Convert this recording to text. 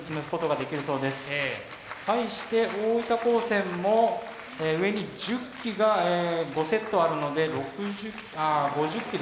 対して大分高専も上に１０機が５セットあるので６０あ５０機ですね。